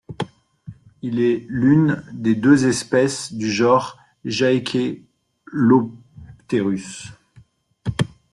Il est l'une des deux espèces du genre Jaekelopterus.